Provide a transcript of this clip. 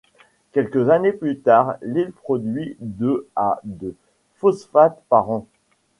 Quelques années plus tard, l'île produit de à de phosphate par an.